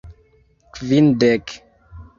Kvindek!